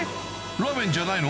ラーメンじゃないの？